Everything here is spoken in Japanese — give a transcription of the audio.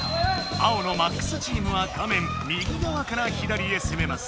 青の「ＭＡＸ」チームは画面右がわから左へせめます。